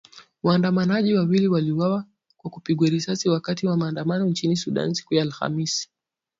Waandamanaji wawili waliuawa kwa kupigwa risasi wakati wa maandamano nchini Sudan siku ya Alhamis.